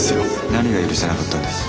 何が許せなかったんです？